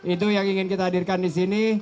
itu yang ingin kita hadirkan disini